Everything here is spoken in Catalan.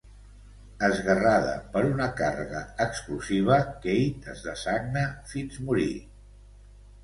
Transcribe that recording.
Esguerrada per una càrrega explosiva, Kate es dessagna fins morir.